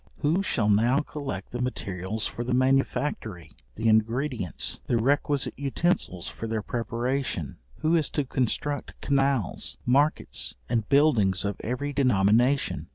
Who shall now collect the materials for the manufactory, the ingredients, the requisite utensils for their preparation? Who is to construct canals, markets, and buildings of every denomination?